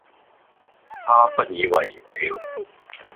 他不以爲然了。